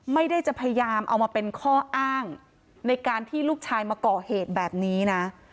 ไม่ได้จะพยายามเอามาเป็นข้ออ้างในการที่ลูกชายมาก่อเหตุแบบนี้นะ